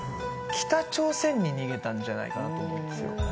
北朝鮮に逃げたんじゃないかなと思うんですよ。